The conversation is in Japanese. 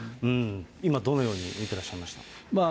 今どのように見てらっしゃいました。